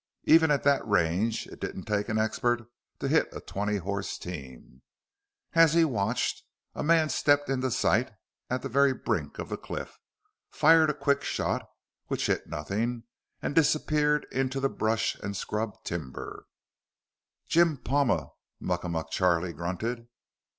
Even at that range, it didn't take an expert to hit a twenty horse team. As he watched, a man stepped into sight at the very brink of the cliff, fired a quick shot which hit nothing, and disappeared into brush and scrub timber. "Jim Palma," Muckamuck Charlie grunted.